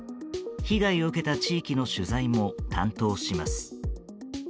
被害を受けた地域の取材も担当します。